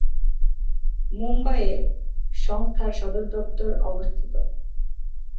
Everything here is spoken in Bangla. মুম্বাইয়ে সংস্থার সদর দফতর অবস্থিত।